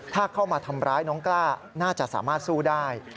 ถ้าเข้ามาทำร้ายน้องกล้าน่าจะสามารถสู้ได้